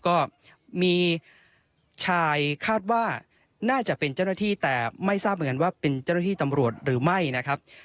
ก็มีชายคาดว่าน่าจะเป็นเจ้าหน้าที่แต่ไม่ทราบเหมือนกันว่าเป็นเจ้าหน้าที่ตำรวจหรือไม่นะครับ